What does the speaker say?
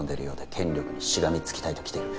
権力にしがみつきたいときてる